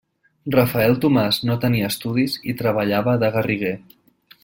Rafel Tomàs no tenia estudis i treballava de garriguer.